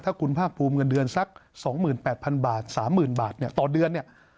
ถ้าคุณภาคภูมิเงินเดือนสัก๒๘๐๐๐บาท๓๐๐๐บาทเนี่ยต่อเดือนเนี่ย